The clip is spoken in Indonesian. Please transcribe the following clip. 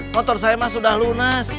motor saya mah sudah lunas